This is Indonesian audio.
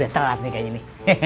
udah terlatih kayak gini